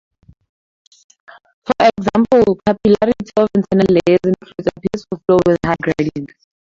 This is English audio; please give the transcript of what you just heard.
For example, capillarity of internal layers in fluids appears for flow with high gradients.